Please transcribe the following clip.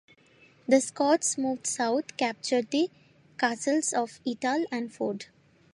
The Scots moved south, capturing the castles of Etal and Ford.